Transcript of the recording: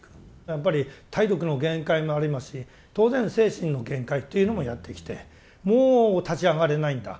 やっぱり体力の限界もありますし当然精神の限界というのもやってきてもう立ち上がれないんだ